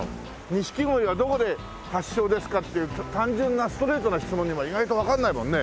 錦鯉はどこで発祥ですかっていう単純なストレートな質問にも意外とわかんないもんね。